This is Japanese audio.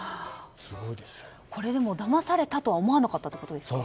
これ、だまされたと思わなかったってことですか？